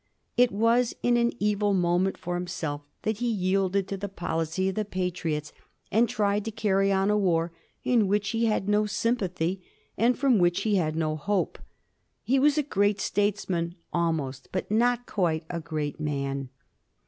It was in an evil mo ment for himself that he yielded to the policy of the Pa triots, and tried to carry on a war in which he had no sympathy, and from which he had no hope. He was a great statesman ; almost, but not quite, a great man.